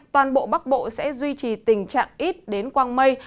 toàn bộ bắc bộ sẽ duy trì tình trạng ít đến quang mây